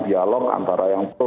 pivisa dari pdb